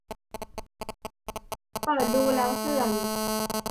เปิดดูแล้วเสื่อม